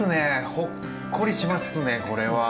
ほっこりしますねこれは。